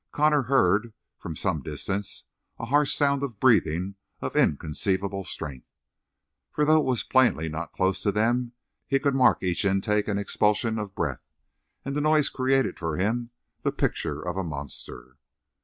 Connor heard, from some distance, a harsh sound of breathing of inconceivable strength. For though it was plainly not close to them, he could mark each intake and expulsion of breath. And the noise created for him the picture of a monster.